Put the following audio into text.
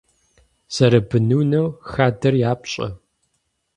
Зэрыбынунэу хадэр япщӏэ.